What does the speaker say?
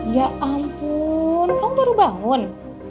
ya ampun kaum baru bangun